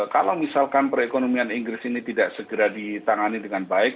kalau misalkan perekonomian inggris ini tidak segera ditangani dengan baik